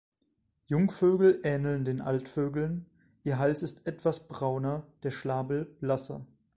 Jungvögel ähneln den Altvögeln, ihr Hals ist etwas brauner, der Schnabel blasser.